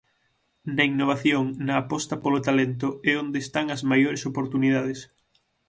Na innovación, na aposta polo talento, é onde están as maiores oportunidades.